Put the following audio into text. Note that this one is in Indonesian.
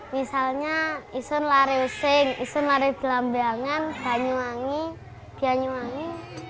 misalnya isun lari useng isun lari pelambangan banyuwangi banyuwangi